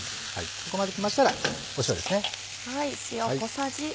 ここまできましたら塩ですね。